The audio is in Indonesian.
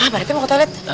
pak rt mau ke toilet